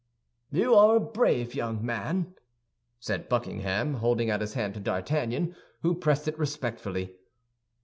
"You are a brave young man," said Buckingham, holding out his hand to D'Artagnan, who pressed it respectfully.